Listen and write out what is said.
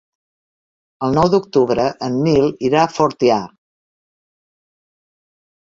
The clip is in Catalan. El nou d'octubre en Nil irà a Fortià.